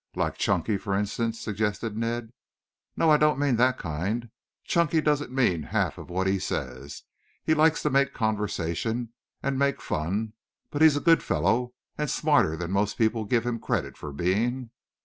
"Like Chunky, for instance?" suggested Ned. "No, I don't mean that kind. Chunky doesn't mean half of what he says. He likes to make conversation and make fun, but he's a good fellow and smarter than most people give him credit for being."